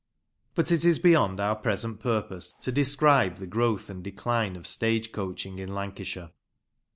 But it is beyond our present purpose to describe the growth and decline of stage coaching in Lancashire.